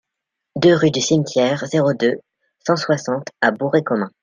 deux rue du Cimetière, zéro deux, cent soixante à Bourg-et-Comin